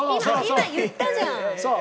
今今言ったじゃん。